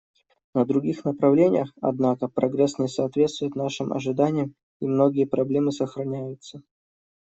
На других направлениях, однако, прогресс не соответствует нашим ожиданиям, и многие проблемы сохраняются.